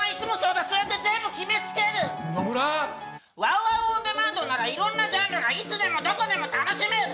ＷＯＷＯＷオンデマンドならいろんなジャンルがいつでもどこでも楽しめる！